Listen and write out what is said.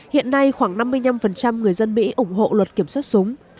hiện nay khoảng năm mươi năm người dân mỹ ủng hộ luật kiểm soát súng